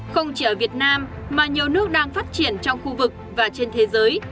không chỉ ở việt nam mà nhiều nước đang phát triển trong khu vực và trên thế giới